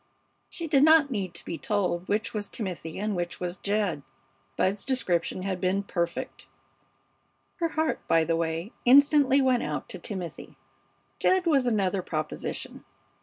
She did not need to be told which was Timothy and which was Jed. Bud's description had been perfect. Her heart, by the way, instantly went out to Timothy. Jed was another proposition.